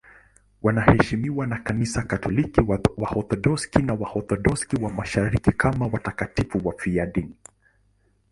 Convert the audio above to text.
Wanaheshimiwa na Kanisa Katoliki, Waorthodoksi na Waorthodoksi wa Mashariki kama watakatifu wafiadini.